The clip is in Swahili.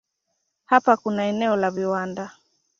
Hapa kuna eneo la viwanda.